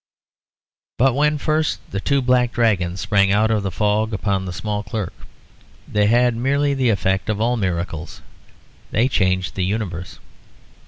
But when first the two black dragons sprang out of the fog upon the small clerk, they had merely the effect of all miracles they changed the universe.